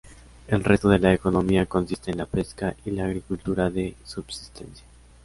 El resto de la economía consiste en la pesca y la agricultura de subsistencia.